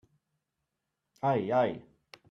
Ai, ai!